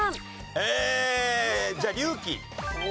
ええじゃあ隆起。